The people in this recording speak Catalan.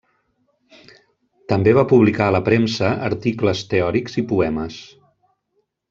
També va publicar a la premsa articles teòrics i poemes.